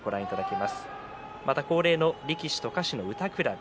また、恒例の力士と歌手の歌くらべ。